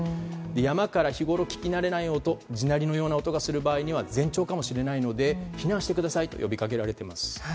山から日ごろ聞きなれない音地鳴りのような音がする場合は前兆かもしれませんので避難してくださいと呼びかけれています。